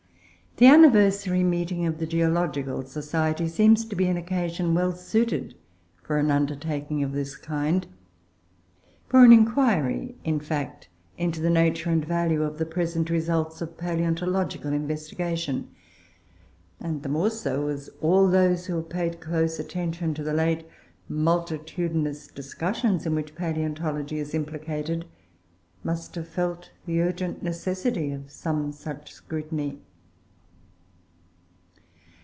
The Anniversary Meeting of the Geological Society seems to be an occasion well suited for an undertaking of this kind for an inquiry, in fact, into the nature and value of the present results of palaeontological investigation; and the more so, as all those who have paid close attention to the late multitudinous discussions in which palaeontology is implicated, must have felt the urgent necessity of some such scrutiny.